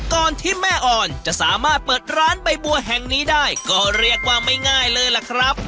ก่อนที่แม่อ่อนจะสามารถเปิดร้านใบบัวแห่งนี้ได้ก็เรียกว่าไม่ง่ายเลยล่ะครับ